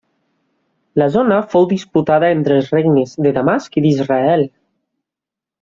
La zona fou disputada entre els regnes de Damasc i d'Israel.